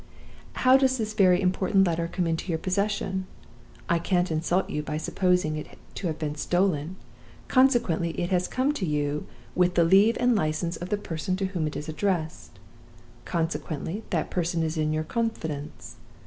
How does this very important letter come into your possession? I can't insult you by supposing it to have been stolen. Consequently, it has come to you with the leave and license of the person to whom it is addressed. Consequently, that person is in your confidence.